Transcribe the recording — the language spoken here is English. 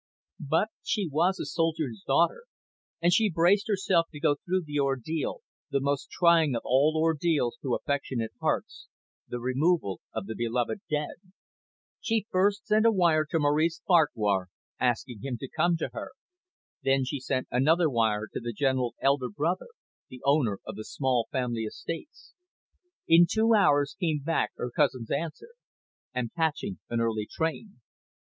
But she was a soldier's daughter, and she braced herself to go through the ordeal, the most trying of all ordeals to affectionate hearts, the removal of the beloved dead. She first sent a wire to Maurice Farquhar, asking him to come to her. Then she sent another wire to the General's elder brother, the owner of the small family estates. In two hours came back her cousin's answer. "Am catching an early train."